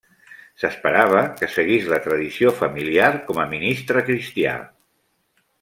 S'esperava que seguís la tradició familiar com a ministre cristià.